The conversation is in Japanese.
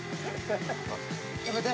やめて。